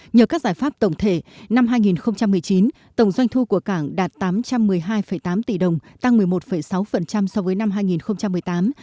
nhờ các giải pháp tổng thể năm hai nghìn một mươi chín tổng doanh thu của cảng đạt tám trăm một mươi hai tám tỷ đồng tăng một mươi một sáu so với năm hai nghìn một mươi tám